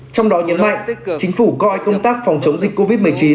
trong đó nhấn mạnh chính phủ coi công tác phòng chống dịch covid một mươi chín